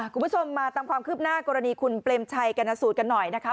คุณผู้ชมมาตามความคืบหน้ากรณีคุณเปรมชัยกรณสูตรกันหน่อยนะคะ